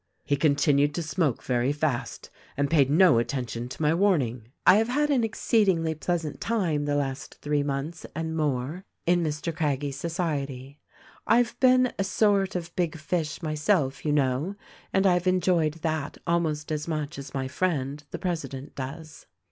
"He continued to smoke very fast, and paid no atten tion to my warning. " 'I have had an exceedingly pleasant time the last three months and more, in Mr. Craggie's society. I've been a sort of big fish myself, you know; and I've enjoyed that almost as much as my friend, the President, does.'